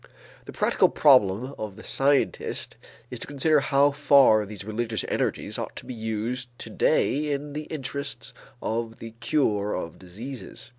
The practical problem of the scientist is to consider how far these religious energies ought to be used today in the interests of the cure of diseases.